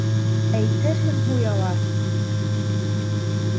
Әйтерһең һуялар!